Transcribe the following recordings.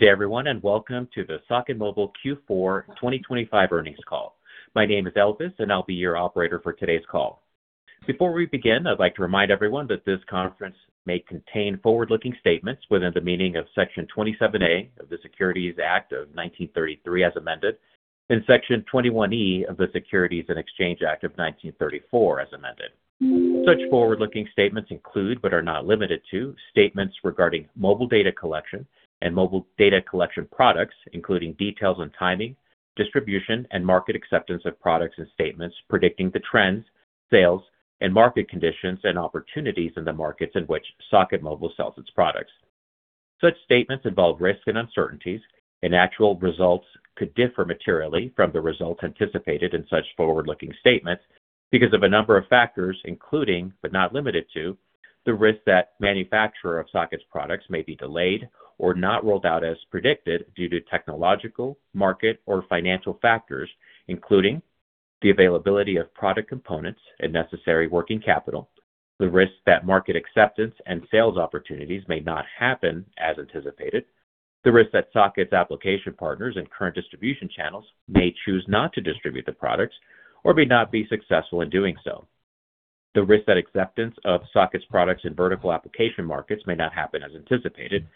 Good day, everyone, and welcome to the Socket Mobile Q4 2025 earnings call. My name is Elvis, and I'll be your operator for today's call. Before we begin, I'd like to remind everyone that this conference may contain forward-looking statements within the meaning of Section 27A of the Securities Act of 1933, as amended, and Section 21E of the Securities and Exchange Act of 1934, as amended. Such forward-looking statements include, but are not limited to, statements regarding mobile data collection and mobile data collection products, including details on timing, distribution, and market acceptance of products, and statements predicting the trends, sales, and market conditions and opportunities in the markets in which Socket Mobile sells its products. Such statements involve risks and uncertainties, and actual results could differ materially from the results anticipated in such forward-looking statements because of a number of factors, including, but not limited to, the risk that manufacturer of Socket's products may be delayed or not rolled out as predicted due to technological, market, or financial factors, including the availability of product components and necessary working capital, the risk that market acceptance and sales opportunities may not happen as anticipated, the risk that Socket's application partners and current distribution channels may choose not to distribute the products or may not be successful in doing so, the risk that acceptance of Socket's products in vertical application markets may not happen as anticipated,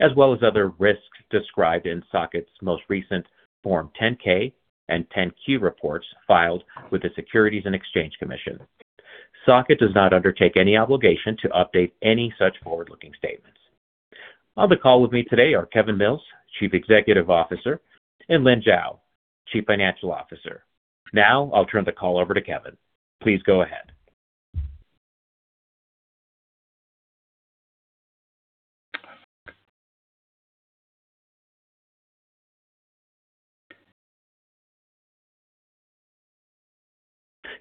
as well as other risks described in Socket's most recent Form 10-K and 10-Q reports filed with the Securities and Exchange Commission. Socket does not undertake any obligation to update any such forward-looking statements. On the call with me today are Kevin Mills, Chief Executive Officer, and Lynn Zhao, Chief Financial Officer. Now, I'll turn the call over to Kevin. Please go ahead.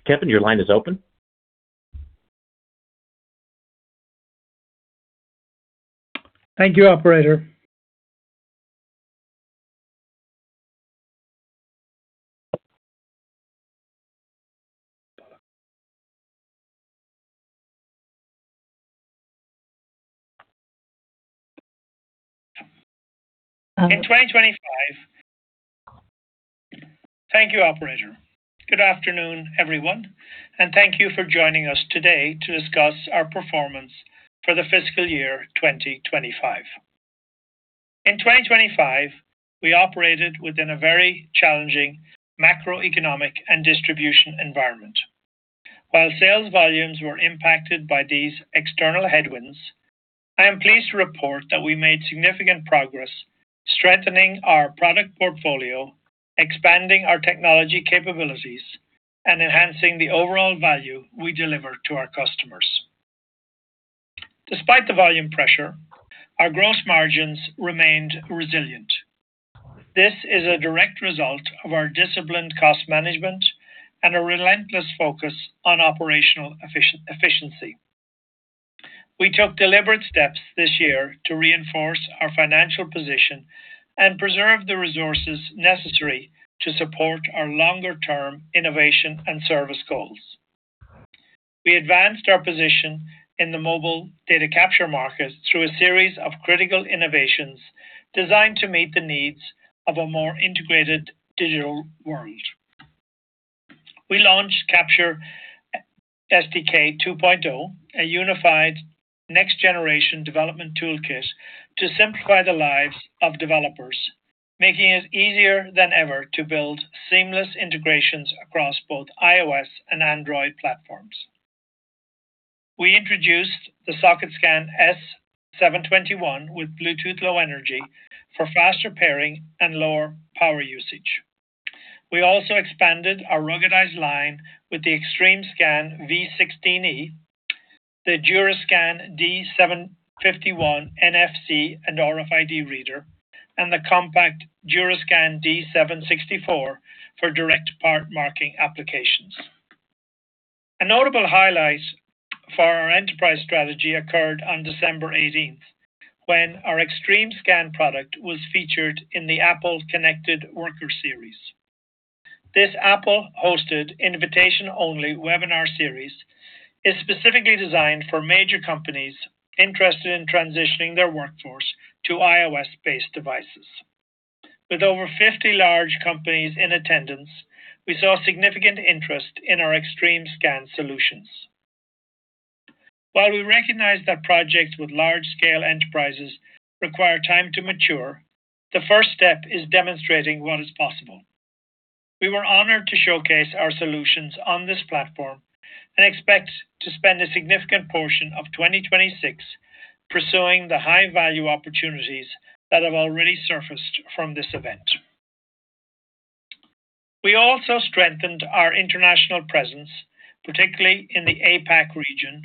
Kevin, your line is open. Thank you, operator. Good afternoon, everyone, and thank you for joining us today to discuss our performance for the fiscal year 2025. In 2025, we operated within a very challenging macroeconomic and distribution environment. While sales volumes were impacted by these external headwinds, I am pleased to report that we made significant progress strengthening our product portfolio, expanding our technology capabilities, and enhancing the overall value we deliver to our customers. Despite the volume pressure, our gross margins remained resilient. This is a direct result of our disciplined cost management and a relentless focus on operational efficiency. We took deliberate steps this year to reinforce our financial position and preserve the resources necessary to support our longer-term innovation and service goals. We advanced our position in the mobile data capture market through a series of critical innovations designed to meet the needs of a more integrated digital world. We launched Capture SDK 2.0, a unified next-generation development toolkit to simplify the lives of developers, making it easier than ever to build seamless integrations across both iOS and Android platforms. We introduced the SocketScan S721 with Bluetooth Low Energy for faster pairing and lower power usage. We also expanded our ruggedized line with the XtremeScan v16e, the DuraScan D751 NFC and RFID reader, and the compact DuraScan D764 for direct part marking applications. A notable highlight for our enterprise strategy occurred on December 18th, when our XtremeScan product was featured in the Apple Connected Worker Series. This Apple-hosted, invitation-only webinar series is specifically designed for major companies interested in transitioning their workforce to iOS-based devices. With over 50 large companies in attendance, we saw significant interest in our XtremeScan solutions. While we recognize that projects with large-scale enterprises require time to mature, the first step is demonstrating what is possible. We were honored to showcase our solutions on this platform and expect to spend a significant portion of 2026 pursuing the high-value opportunities that have already surfaced from this event. We also strengthened our international presence, particularly in the APAC region.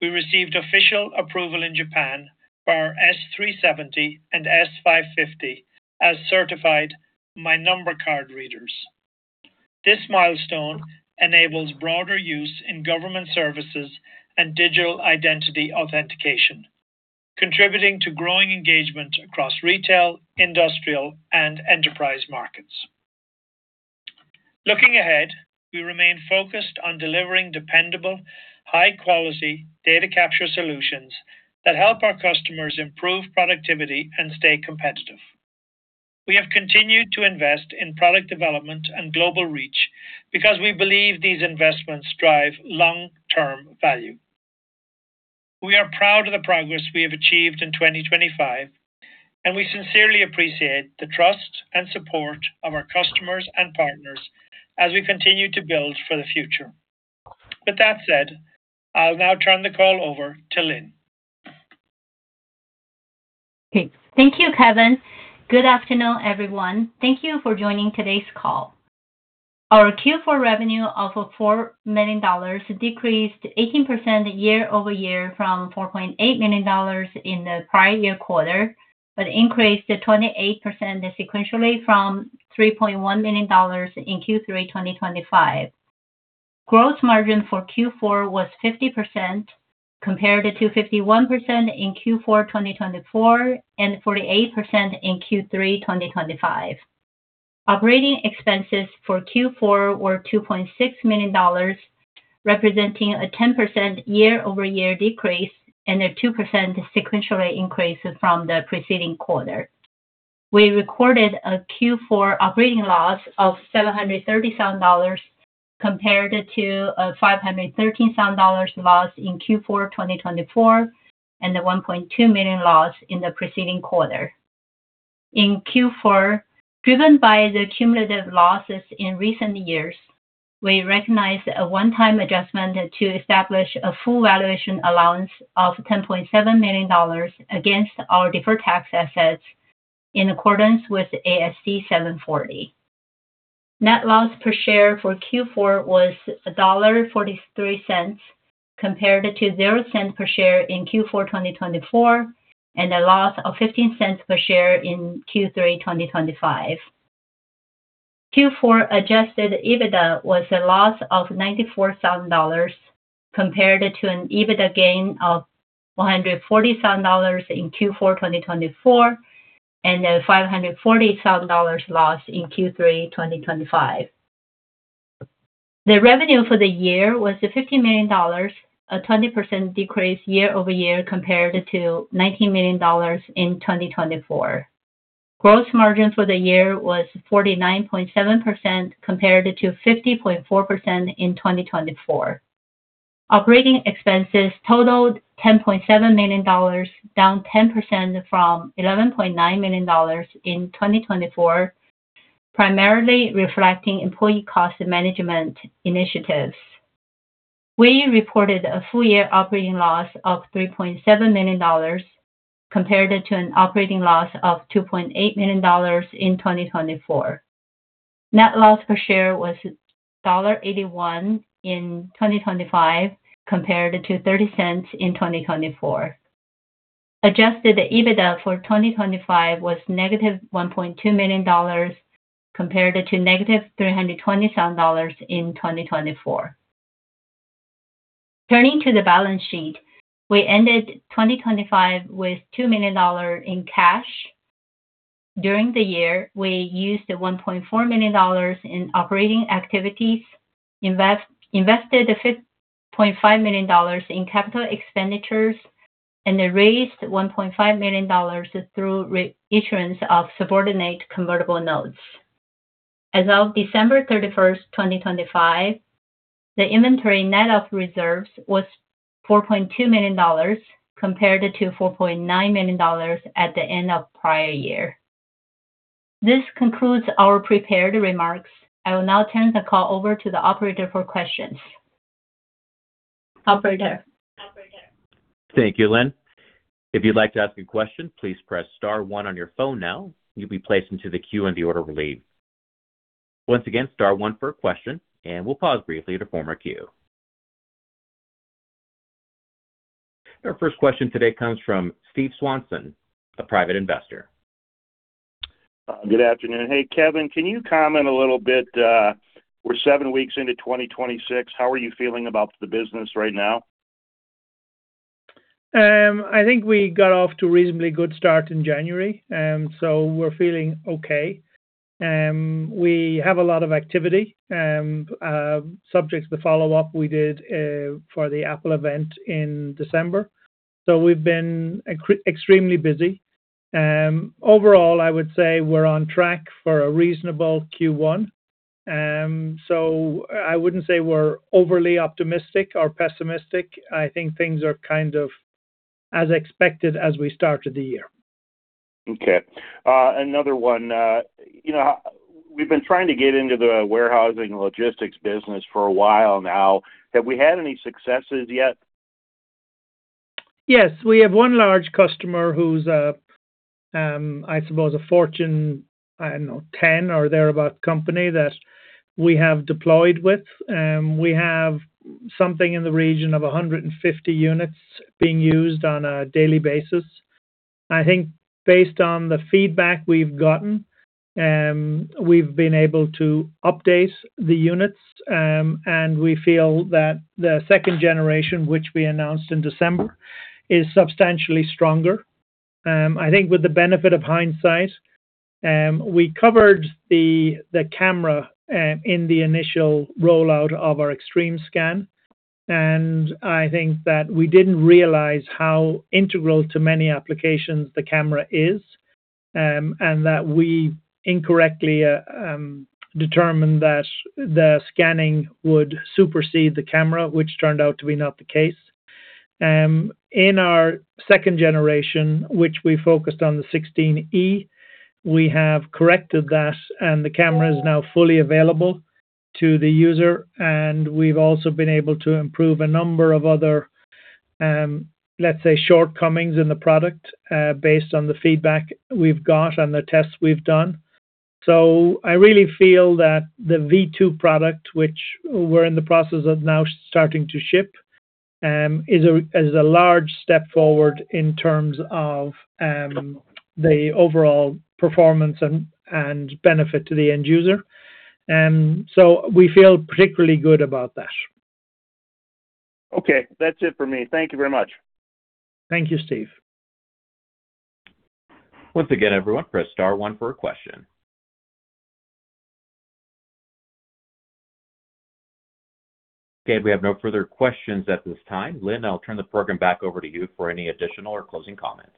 We received official approval in Japan for our S370 and S550 as certified My Number Card readers. This milestone enables broader use in government services and digital identity authentication, contributing to growing engagement across retail, industrial, and enterprise markets. Looking ahead, we remain focused on delivering dependable, high quality data capture solutions that help our customers improve productivity and stay competitive. We have continued to invest in product development and global reach because we believe these investments drive long-term value. We are proud of the progress we have achieved in 2025, and we sincerely appreciate the trust and support of our customers and partners as we continue to build for the future. With that said, I'll now turn the call over to Lynn. Okay. Thank you, Kevin. Good afternoon, everyone. Thank you for joining today's call. Our Q4 revenue of $4 million decreased 18% year-over-year from $4.8 million in the prior year quarter, but increased 28% sequentially from $3.1 million in Q3 2025. Gross margin for Q4 was 50%, compared to 51% in Q4 2024, and 48% in Q3 2025. Operating expenses for Q4 were $2.6 million, representing a 10% year-over-year decrease and a 2% sequential increase from the preceding quarter. We recorded a Q4 operating loss of $737,000 compared to a $513,000 loss in Q4 2024, and a $1.2 million loss in the preceding quarter. In Q4, driven by the cumulative losses in recent years, we recognized a one-time adjustment to establish a full valuation allowance of $10.7 million against our deferred tax assets in accordance with ASC 740. Net loss per share for Q4 was $1.43, compared to $0.00 per share in Q4 2024, and a loss of $0.15 per share in Q3 2025. Q4 adjusted EBITDA was a loss of $94,000, compared to an EBITDA gain of $147 in Q4 2024, and a $540,000 loss in Q3 2025. The revenue for the year was $50 million, a 20% decrease year-over-year compared to $19 million in 2024. Gross margin for the year was 49.7%, compared to 50.4% in 2024. Operating expenses totaled $10.7 million, down 10% from $11.9 million in 2024, primarily reflecting employee cost management initiatives. We reported a full year operating loss of $3.7 million, compared to an operating loss of $2.8 million in 2024. Net loss per share was $1.81 in 2025, compared to $0.30 in 2024. Adjusted EBITDA for 2025 was -$1.2 million, compared to -$327 in 2024. Turning to the balance sheet, we ended 2025 with $2 million in cash. During the year, we used $1.4 million in operating activities, invested $5.5 million in capital expenditures, and raised $1.5 million through reissuance of subordinate convertible notes. As of December 31st, 2025, the inventory net of reserves was $4.2 million, compared to $4.9 million at the end of prior year. This concludes our prepared remarks. I will now turn the call over to the operator for questions. Operator. Thank you, Lynn. If you'd like to ask a question, please press star one on your phone now. You'll be placed into the queue in the order we leave. Once again, star one for a question, and we'll pause briefly to form a queue. Our first question today comes from Steve Swanson, a private investor. Good afternoon. Hey, Kevin, can you comment a little bit, we're seven weeks into 2026, how are you feeling about the business right now? I think we got off to a reasonably good start in January, so we're feeling okay. We have a lot of activity, subjects to follow up we did, for the Apple event in December, so we've been extremely busy. Overall, I would say we're on track for a reasonable Q1. So I wouldn't say we're overly optimistic or pessimistic. I think things are kind of as expected as we started the year. Okay. Another one, you know, we've been trying to get into the warehousing and logistics business for a while now. Have we had any successes yet? Yes, we have one large customer who's a, I suppose a Fortune, I don't know, 10 or thereabouts company that we have deployed with. We have something in the region of 150 units being used on a daily basis. I think based on the feedback we've gotten, we've been able to update the units. And we feel that the second generation, which we announced in December, is substantially stronger. I think with the benefit of hindsight, we covered the camera in the initial rollout of our XtremeScan, and I think that we didn't realize how integral to many applications the camera is, and that we incorrectly determined that the scanning would supersede the camera, which turned out to be not the case. In our second generation, which we focused on the 16e, we have corrected that, and the camera is now fully available to the user, and we've also been able to improve a number of other, let's say, shortcomings in the product, based on the feedback we've got and the tests we've done. So I really feel that the V2 product, which we're in the process of now starting to ship, is a large step forward in terms of the overall performance and benefit to the end user. So we feel particularly good about that. Okay. That's it for me. Thank you very much. Thank you, Steve. Once again, everyone, press star one for a question. Okay, we have no further questions at this time. Lynn, I'll turn the program back over to you for any additional or closing comments.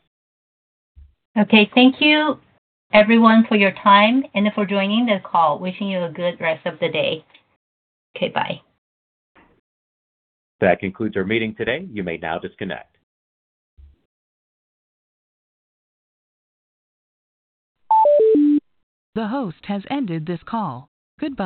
Okay. Thank you everyone for your time and for joining this call. Wishing you a good rest of the day. Okay, bye. That concludes our meeting today. You may now disconnect. The host has ended this call. Goodbye.